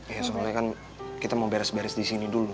ya soalnya kan kita mau beres beres di sini dulu